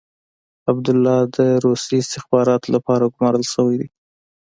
عبدالله د روسي استخباراتو لپاره ګمارل شوی دی.